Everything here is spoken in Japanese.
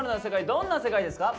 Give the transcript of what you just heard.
どんな世界ですか？